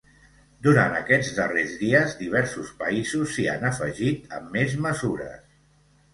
Durant aquests darrers dies, diversos països s’hi han afegit amb més mesures.